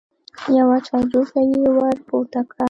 يوه چايجوشه يې ور پورته کړه.